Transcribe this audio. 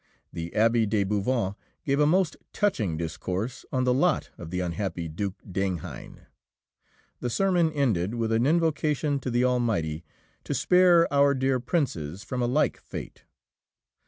The Abbé de Bouvant gave a most touching discourse on the lot of the unhappy Duke d'Enghien. The sermon ended with an invocation to the Almighty to spare our dear Princes from a like fate.